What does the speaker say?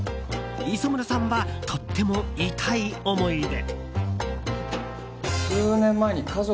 磯村さんは、とっても痛い思い出。